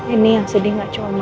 ini yang sedih gak cuma